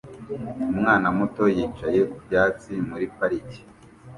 Umwana muto yicaye ku byatsi muri parike